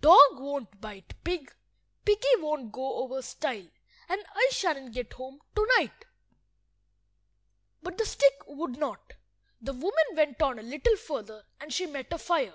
Dog won't bite pig, piggy won't go over stile, and I shan't get home to–night." But the stick would not. The woman went on a little further, and she met a fire.